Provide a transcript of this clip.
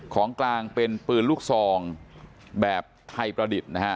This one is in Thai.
ของกลางเป็นปืนลูกซองแบบไทยประดิษฐ์นะฮะ